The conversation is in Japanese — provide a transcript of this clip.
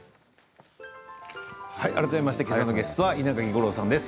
改めましてけさのゲストは稲垣吾郎さんです。